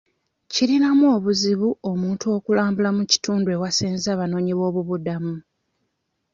Kirinamu obuzibu omuntu okulambula mu kitundu ewasenze abanoonyi b'obubuddamu.